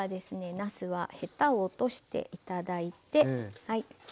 なすはヘタを落として頂いて。